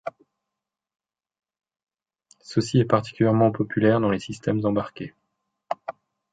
Ceci est particulièrement populaire dans les systèmes embarqués.